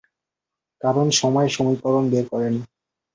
কারণ সময় সমীকরণ বের হবে না।